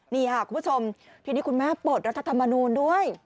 นี่ค่ะคุณผู้ชมทีนี้คุณแม่ปลดรัฐธรรมนูลด้วย